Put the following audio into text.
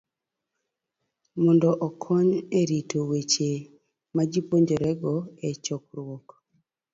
mondo okony e rito weche majipuonjorego e chokruok.